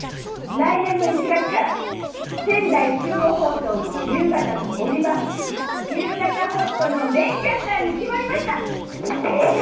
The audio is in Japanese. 来年の１月から仙台中央放送の夕方の帯番組「夕方ほっと」のメインキャスターに決まりました！